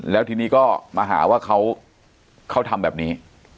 แล้วทีนี้ก็มาหาว่าเขาทำแบบนี้